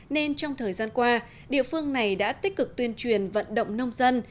nên trong thời gian qua địa phương này đã tích cực tuyên truyền vận động nông dân